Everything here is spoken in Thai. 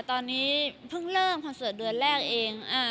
ตอนนี้เพิ่งเริ่มคอนเสิร์ตเดือนแรกเอง